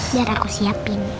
biar aku siapin